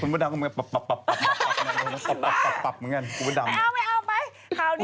คุณพะดำก็มันแบบปับปับปับปับ